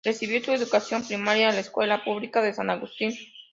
Recibió su educación primaria en la escuela pública de San Agustín.